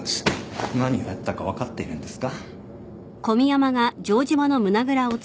何をやったか分かっているんですか。